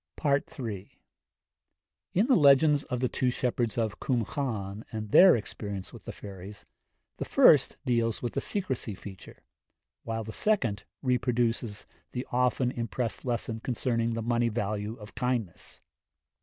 III. In the legends of the two shepherds of Cwm Llan and their experience with the fairies, the first deals with the secrecy feature, while the second reproduces the often impressed lesson concerning the money value of kindness.